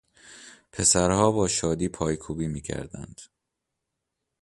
پسرها با شادی پایکوبی میکردند.